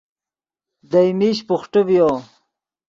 دئے میش بوخٹے ڤیو